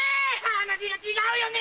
話が違うよね！